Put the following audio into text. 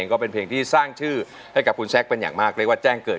ก็เป็นเพลงที่มันจะสร้างทือให้กับคุณแซกเป็นอย่างมากเลยว่าจ้างเกิด